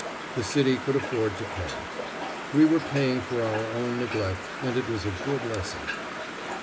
The city could afford to pay. We were paying for our own neglect, and it was a good lesson.